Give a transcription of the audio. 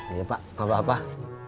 iya pak sama bapak